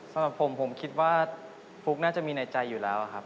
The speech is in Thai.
สำหรับผมผมคิดว่าฟุ๊กน่าจะมีในใจอยู่แล้วครับ